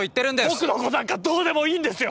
僕のことなんかどうでもいいんですよ！